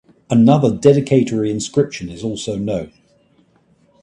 Another dedicatory inscription is also known.